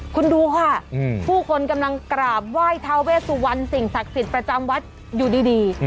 คุณดูค่ะผู้คนกำลังกราบไหว้ทาเวสุวรรณสิ่งศักดิ์สิทธิ์ประจำวัดอยู่ดี